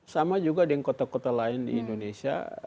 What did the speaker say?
sama juga dengan kota kota lain di indonesia